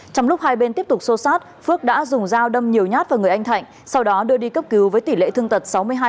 trong lúc hai bên tiếp tục xô xát phước đã dùng dao đâm nhiều nhát vào người anh thạnh sau đó đưa đi cấp cứu với tỷ lệ thương tật sáu mươi hai